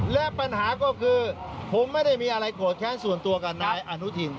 และปัญหาก็คือผมไม่ได้มีอะไรโกรธแค้นส่วนตัวกับนายอนุทิน